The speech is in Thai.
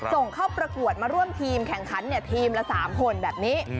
ส่งเข้าประกวดมาร่วมทีมแข่งขันทีมละ๓คนแบบนี้